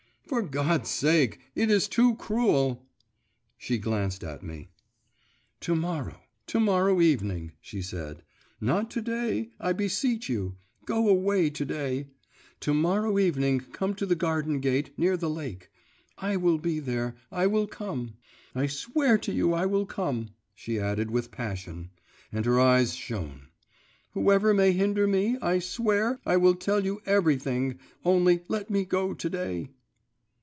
'For God's sake … it is too cruel!' She glanced at me. 'To morrow, to morrow evening,' she said, 'not to day, I beseech you go away to day … to morrow evening come to the garden gate, near the lake. I will be there, I will come.… I swear to you I will come,' she added with passion, and her eyes shone; 'whoever may hinder me, I swear! I will tell you everything, only let me go to day.